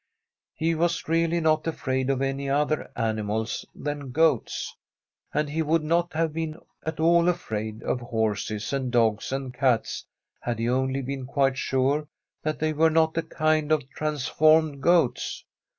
He was really not afraid of any other animals than goats, and he would not have been at all afraid of horses and dogs and cats had he only been quite sure that they were not a kind of trans formed goats.